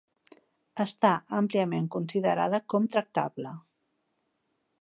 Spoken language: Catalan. Està àmpliament considerada com tractable.